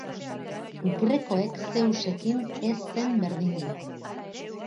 Grekoek Zeusekin ez zen berdindu.